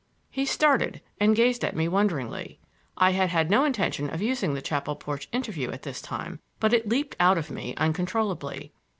He started and gazed at me wonderingly. I had had no intention of using the chapel porch interview at this time, but it leaped out of me uncontrollably.